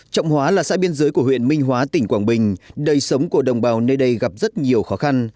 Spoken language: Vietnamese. trọng hóa là xã biên giới của huyện minh hóa tỉnh quảng bình đời sống của đồng bào nơi đây gặp rất nhiều khó khăn